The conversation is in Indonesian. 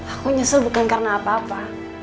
aku nyesel bukan karena apa apa